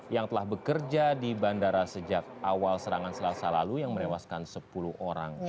yang telah bekerja di bandara sejak awal serangan selasa lalu yang merewaskan sepuluh orang